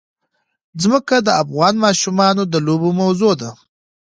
ځمکه د افغان ماشومانو د لوبو موضوع ده.